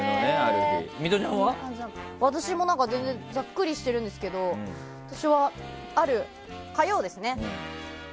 私も全然ざっくりしているんですけど私は、ある火曜です。